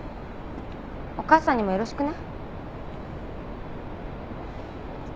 お母さんにもよろしくね。